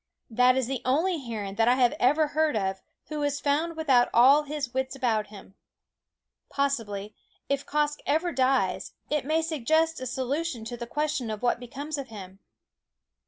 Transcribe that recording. That is the only heron that I have ever heard of who was found without all his wits about him. Possibly, if Quoskh ever dies, it may suggest a solution to the question of what becomes of him.